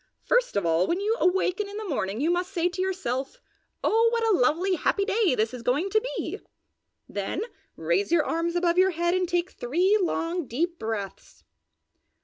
First of all, when you awaken in the morning you must say to yourself, 'Oh what a lovely, happy day this is going to be!' then raise your arms above your head and take three long, deep breaths.